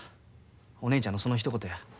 お姉ちゃんのそのひと言や。